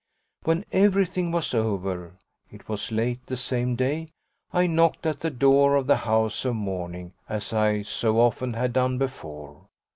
When everything was over it was late the same day I knocked at the door of the house of mourning as I so often had done before.